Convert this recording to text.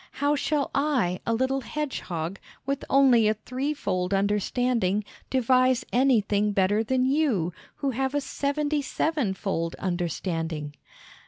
How shall I, a little hedgehog, with only a threefold understanding, devise anything better than you, who have a seventy sevenfold understanding?"